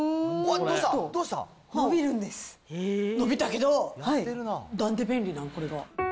伸びたけど、なんで便利なん、これが。